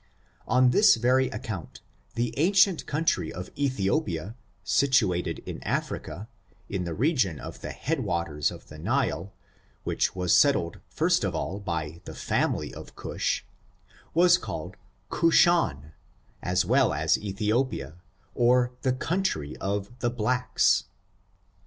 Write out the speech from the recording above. On this very account, the ancient country of Ethi opia, situated in Africa, in the region of the head waters of the Nile, which was settled first of all by 2* ^M«»^k^^«^% I I I I 42 ORIGIN, CHARACTER, AND the &mily of Cusk^ was called Cushan, as well as Ethiopia, or the country of the blacks.